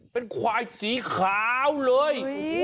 เป็นควายสีขาวเลย